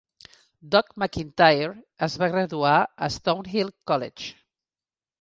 Doug McIntyre es va graduar a Stonehill College.